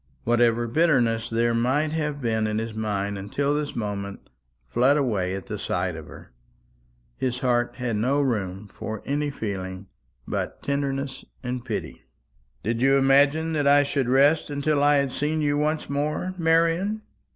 Whatever bitterness there might have been in his mind until this moment fled away at sight of her. His heart had no room for any feeling but tenderness and pity. "Did you imagine that I should rest until I had seen you once more, Marian?